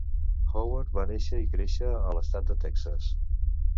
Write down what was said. Howard va néixer i créixer a l'estat de Texas.